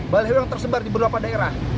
baliho yang tersebar di beberapa daerah